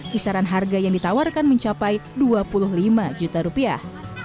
kisaran harga yang ditawarkan mencapai dua puluh lima juta rupiah